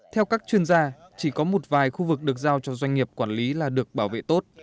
theo các chuyên gia chỉ có một vài khu vực được giao cho doanh nghiệp quản lý là được bảo vệ tốt